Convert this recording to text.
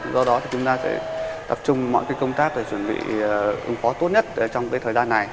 do đó thì chúng ta sẽ tập trung mọi công tác để chuẩn bị ứng phó tốt nhất trong thời gian này